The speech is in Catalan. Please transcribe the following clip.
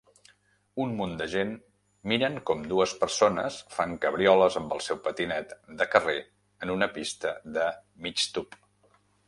Un munt de gent miren com dues persones fan cabrioles amb el seu patinet de carrer en una pista de migtub.